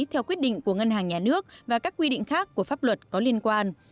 theo quyết định của ngân hàng nhà nước và các quy định khác của pháp luật có liên quan